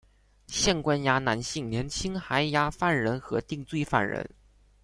现关押男性年青还押犯人和定罪犯人。